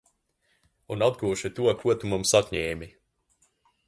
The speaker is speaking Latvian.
Un atgūšu to, ko tu mums atņēmi!